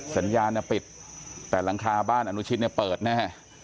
สัญญาณปิดแต่หลังคาบ้านอนุชิตเนี่ยเปิดแน่